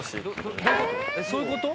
そういうこと？